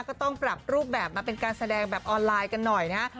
ก็ต้องปรับรูปแบบมาเป็นการแสดงแบบออนไลน์กันหน่อยนะฮะ